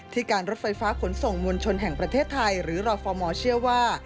การรถไฟฟ้าขนส่งมวลชนแห่งประเทศไทยหรือรอฟอร์มเชื่อว่า